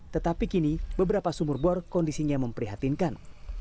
tetapi kini beberapa sumur bor kondisinya memprihatinkan